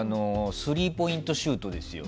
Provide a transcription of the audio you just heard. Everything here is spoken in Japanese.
スリーポイントシュートですよ